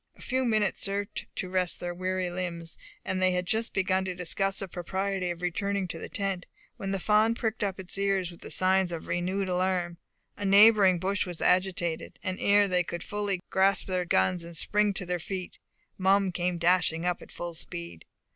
A few minutes served to rest their weary limbs, and they had just begun to discuss the propriety of returning to the tent, when the fawn pricked up its ears with the signs of renewed alarm, a neighbouring bush was agitated, and ere they could fully grasp their guns and spring to their feet, Mum came dashing up at full speed.